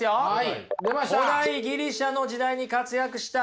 はい。